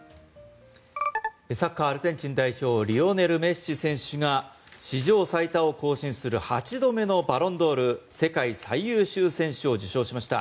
サッカー、アルゼンチン代表リオネル・メッシ選手が史上最多を更新する８度目のバロンドール世界最優秀選手を受賞しました。